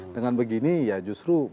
dengan begini ya justru